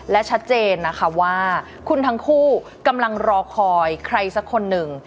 และชัดเจนนะคะว่าคุณทั้งคู่กำลังรอคอยใครสักคนหนึ่ง